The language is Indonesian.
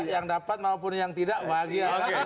yang dapat maupun yang tidak bahagia